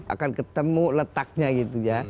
akan ketemu letaknya gitu ya